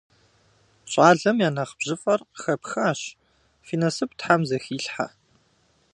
Щӏалэм я нэхъ бжьыфӏэр къыхэпхащ, фи насып тхьэм зэхилъхьэ.